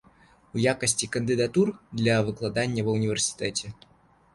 У якасці кандыдатур для выкладання ва ўніверсітэце.